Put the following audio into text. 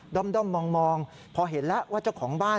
ด้อมมองพอเห็นแล้วว่าเจ้าของบ้าน